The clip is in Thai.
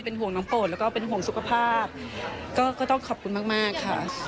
ห่วงน้องโปรดแล้วก็เป็นห่วงสุขภาพก็ต้องขอบคุณมากค่ะ